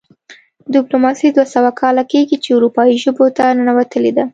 ډیپلوماسي دوه سوه کاله کیږي چې اروپايي ژبو ته ننوتلې ده